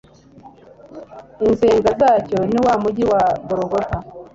inzenga yacyo niwa mujyi wa gologota